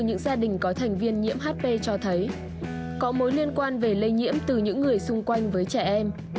những gia đình có thành viên nhiễm hp cho thấy có mối liên quan về lây nhiễm từ những người xung quanh với trẻ em